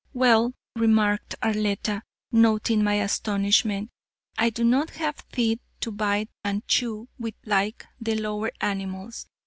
"Well," remarked Arletta, noting my astonishment, "I do not have teeth to bite and chew with like the lower animals.